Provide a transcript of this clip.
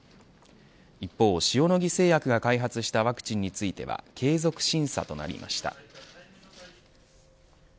一方、塩野義製薬が開発したワクチンについては継続審査となりました。